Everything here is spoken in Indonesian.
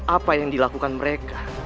apa yang dilakukan mereka